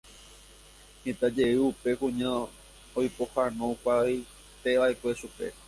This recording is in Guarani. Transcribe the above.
Heta jey upe kuña oipohãnoukavaieteva'ekue chupe.